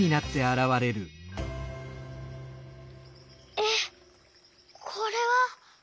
えっこれは。